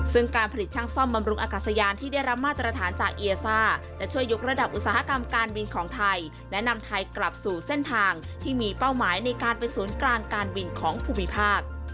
ซึ่งการผลิตช่างซ่อมบำรุงอากาศยานที่ได้รับมาตรฐานจากเอียซ่าจะช่วยยกระดับอุตสาหกรรมการบินของไทยและนำไทยกลับสู่เส้นทางที่มีเป้าหมายในการเป็นศูนย์กลางการบินของภูมิภาค